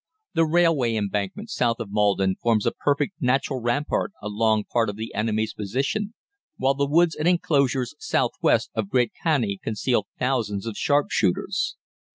The railway embankment south of Maldon forms a perfect natural rampart along part of the enemy's position, while the woods and enclosures south west of Great Canney conceal thousands of sharpshooters.